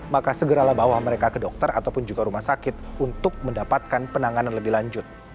maka segeralah bawa mereka ke dokter ataupun juga rumah sakit untuk mendapatkan penanganan lebih lanjut